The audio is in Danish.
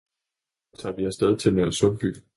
På onsdag tager vi afsted til Nørresundby